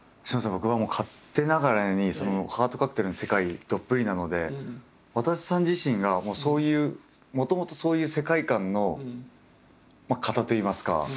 僕は勝手ながらに「ハートカクテル」の世界どっぷりなのでわたせさん自身がもうそういうもともとそういう世界観の方といいますか。